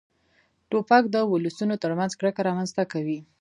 توپک د ولسونو تر منځ کرکه رامنځته کوي.